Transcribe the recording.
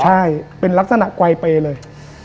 ใช่เป็นลักษณะไกลเปย์เลย